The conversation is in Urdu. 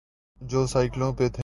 جو سائیکلوں پہ تھے۔